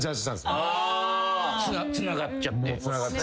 もうつながっちゃって。